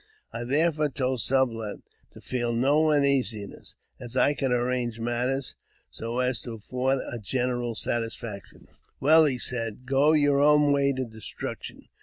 I therefore told Sublet to feel no uneasiness, as I could arrange matters so as to afford general satisfaction *' Well," said he, "go your own way to destruction."